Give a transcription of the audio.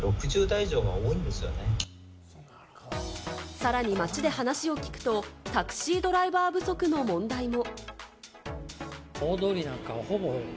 さらに街で話を聞くと、タクシードライバー不足の問題も。